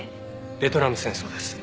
ベトナム戦争です。